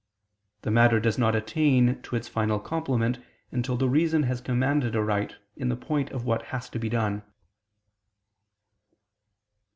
The matter does not attain to its final complement until the reason has commanded aright in the point of what has to be done.